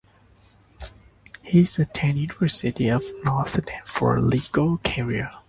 He attended University of Notre Dame for a legal career.